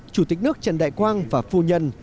chủ tịch nước trần đại quang và phu nhân